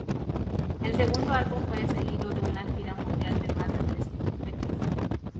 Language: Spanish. El segundo álbum fue seguido de una gira mundial de más de trescientos fechas.